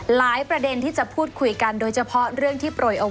ประเด็นที่จะพูดคุยกันโดยเฉพาะเรื่องที่โปรยองค์